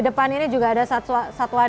depan ini juga ada satwa